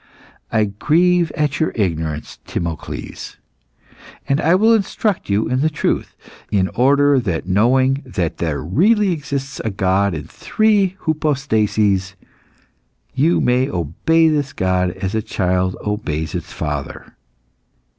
I grieve at your ignorance, Timocles, and I will instruct you in the truth, in order that knowing that there really exists a God in three hypostases, you may obey this God as a child obeys its father."